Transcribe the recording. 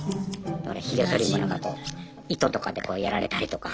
ひげそりもなんかこう糸とかでこうやられたりとか。